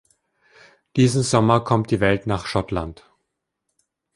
Diesen Sommer kommt die Welt nach Schottland.